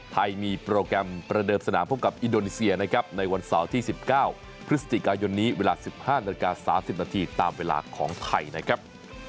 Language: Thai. ไทยมีโปรแกรมประเดิมสนามพบกับอินโดนีเซียนะครับในวันเสาร์ที่๑๙พฤศจิกายนนี้เวลา๑๕นาฬิกา๓๐นาทีตามเวลาของไทยนะครับ